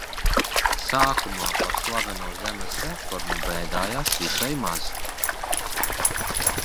Sākumā par slaveno zemes reformu bēdāju visai maz.